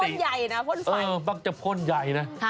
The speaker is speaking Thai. เป็นพ่นใหญ่นะพ่นไฟปกติเออบางทีจะพ่นใหญ่นะ